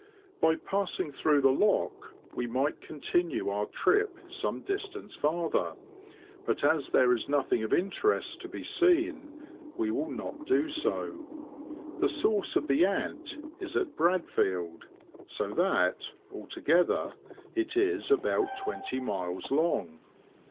By passing through the lock, we might continue our trip some distance farther, but as there is nothing of interest to be seen, w^e will not do so. The source of the Ant is at Bradfield, so that, altogether, it is about twenty miles long.